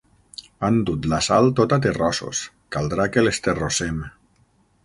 Han dut la sal tota terrossos: caldrà que l'esterrossem.